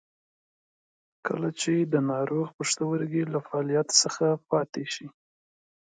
کله چې د ناروغ پښتورګي له فعالیت څخه پاتې شي.